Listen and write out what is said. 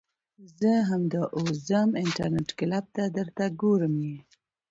زه همدا اوس ځم انترنيټ کلپ ته درته ګورم يې .